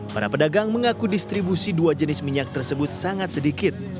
para pedagang mengaku distribusi dua jenis minyak tersebut sangat sedikit